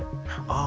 ああ。